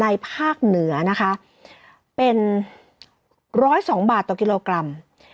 ภาคเหนือนะคะเป็น๑๐๒บาทต่อกิโลกรัม